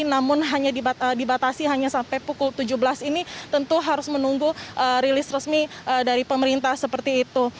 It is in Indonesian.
namun hanya dibatasi hanya sampai pukul tujuh belas ini tentu harus menunggu rilis resmi dari pemerintah seperti itu